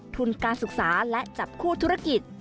ทุนการศึกษาและจับคู่ธุรกิจ